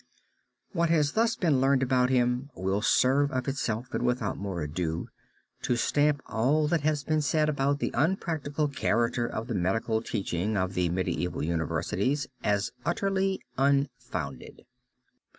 What has thus been learned about him will serve of itself and without more ado, to stamp all that has been said about the unpractical character of the medical teaching of the medieval universities as utterly unfounded.